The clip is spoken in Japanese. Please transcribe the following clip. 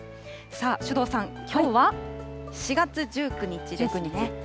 首藤さん、きょうは４月１９日ですね。